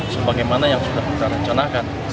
sebagaimana yang sudah kita rencanakan